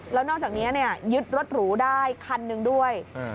แล้วนอกจากนี้ยึดรถหรูได้คันหนึ่งด้วย